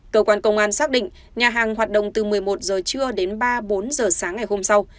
cơ quan công an xác định nhà hàng hoạt động từ một mươi một h trưa đến ba bốn h sáng ngày hôm sau